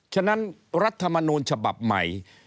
ฉะนั้นรัฐมนูลฉบับใหม่